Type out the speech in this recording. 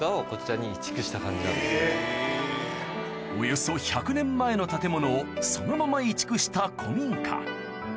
およそ１００年前の建物をそのまま移築した古民家